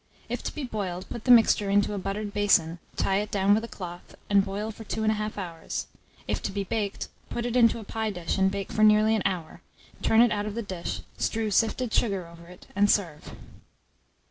If to be boiled, put the mixture into a buttered basin, tie it down with a cloth, and boil for 2 1/2 hours: if to be baked, put it into a pie dish, and bake for nearly an hour; turn it out of the dish, strew sifted sugar over it, and serve.